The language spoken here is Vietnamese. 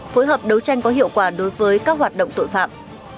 phối hợp đấu tranh có hiệu quả đối với các hoạt động tội phạm